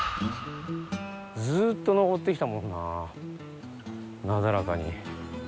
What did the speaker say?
ずっと上ってきたもんななだらかに。